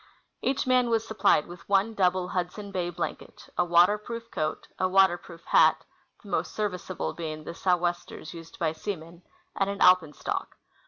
. Each man was supplied with one double Hudson Bay l)lankct, a water proof coat, a water proof hat (the most serviceable being the " sou'westers " used by seamen), and an alpenstock.